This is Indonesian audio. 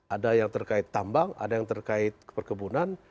ada yang terkait tambang ada yang terkait perkebunan